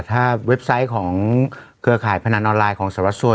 ถ้าเว็บไซต์ของเครือข่ายพนันออนไลน์ของสารวัสสัว